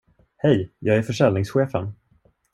Hej, jag är försäljningschefen.